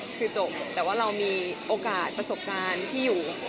คือจบแต่ว่าเรามีโอกาสประสบการณ์ที่อยู่